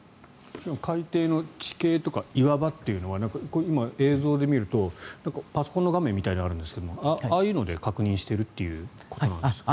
海底の地形とか岩場というのは今、映像で見るとパソコンの画面みたいなのがあるんですがああいうので確認しているということでしょうか。